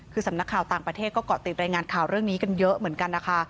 คือสำนักข่าวต่างประเทศก็เกาะติดรายงานข่าวเรื่องนี้กันเยอะเหมือนกันนะคะ